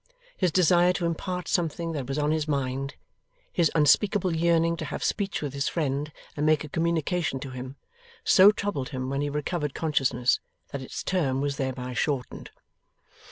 His desire to impart something that was on his mind, his unspeakable yearning to have speech with his friend and make a communication to him, so troubled him when he recovered consciousness, that its term was thereby shortened.